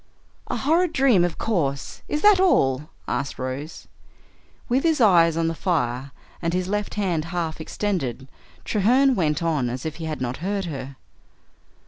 "A horrid dream, of course. Is that all?" asked Rose. With his eyes on the fire and his left hand half extended, Treherne went on as if he had not heard her.